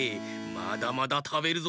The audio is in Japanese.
まだまだたべるぞ！